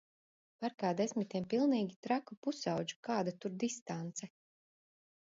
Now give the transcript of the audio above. Parkā desmitiem pilnīgi traku pusaudžu, kāda tur distance.